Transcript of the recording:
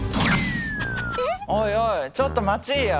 おいおいちょっと待ちいや。